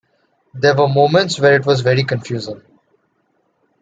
There were moments where it was very confusing.